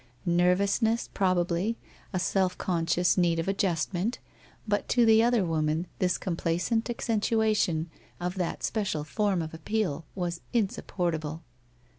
Nervousness, probably, a self conscious need of adjustment, but to the other woman this complacent accentuation of that special form of appeal was insup portable.